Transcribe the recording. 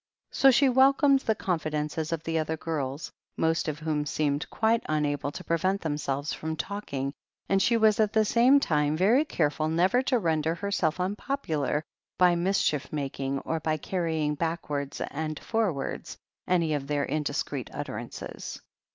So she welcomed the confidences of the other girls, most of whom seemed quite tmable to prevent them selves from talking, and she was at the same time very careful never to render herself unpopular by mischief making or by carrying backwards and forwards any of their indiscreet utterances.